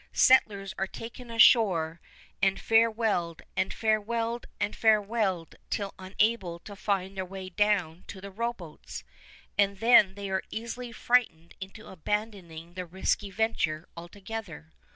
Settlers are taken ashore and farewelled and farewelled and farewelled till unable to find their way down to the rowboats, and then they are easily frightened into abandoning the risky venture altogether.